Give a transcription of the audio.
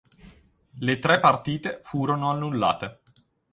Le tre partite furono annullate.